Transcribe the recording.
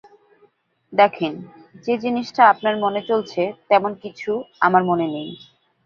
দেখেন, যে জিনিসটা আপনার মনে চলছে তেমন কিছু আমার মনে নেই।